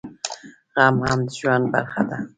غم هم د ژوند برخه ده